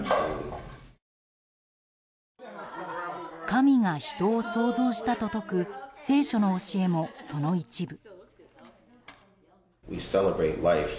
神が人を創造したと説く聖書の教えもその一部。